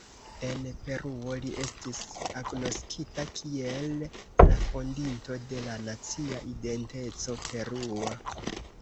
En Peruo li estis agnoskita kiel la fondinto de la nacia identeco perua.